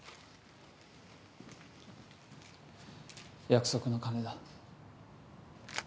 約束の金だ。